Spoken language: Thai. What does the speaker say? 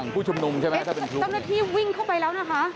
ตรวจตำหนักที่นี่วิ่งเข้าไปแล้วนะคะ